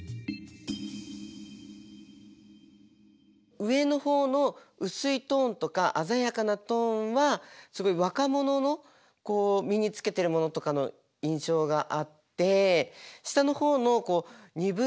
上の方のうすいトーンとかあざやかなトーンはすごい若者のこう身につけてるモノとかの印象があって下の方のにぶい